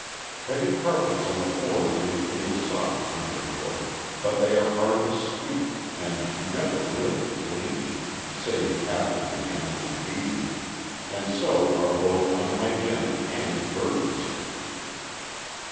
"Heavy carpets on the floors may feel soft under foot, but they are hard to sweep, are never really clean, save after the annual beating, and so are both unhygienic and burdensome.